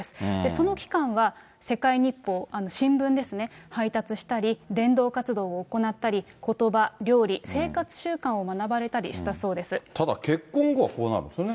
その期間は世界日報、新聞ですね、配達したり、伝道活動を行ったりことば、料理、生活習慣を学ばれたりしたそうでただ結婚後はこうなるんですよね。